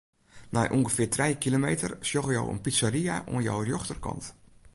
Nei ûngefear trije kilometer sjogge jo in pizzeria oan jo rjochterkant.